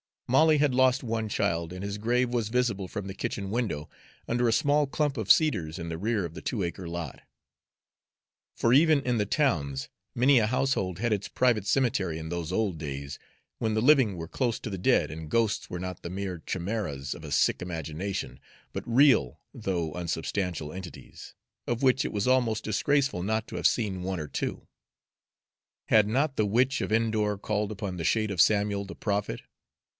Molly had lost one child, and his grave was visible from the kitchen window, under a small clump of cedars in the rear of the two acre lot. For even in the towns many a household had its private cemetery in those old days when the living were close to the dead, and ghosts were not the mere chimeras of a sick imagination, but real though unsubstantial entities, of which it was almost disgraceful not to have seen one or two. Had not the Witch of Endor called up the shade of Samuel the prophet?